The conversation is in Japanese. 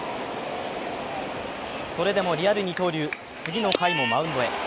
それでもリアル二刀流、次の回もマウンドへ。